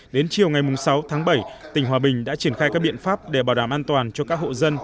đến chiều ngày sáu tháng bảy tỉnh hòa bình đã triển khai các biện pháp để bảo đảm an toàn cho các hộ dân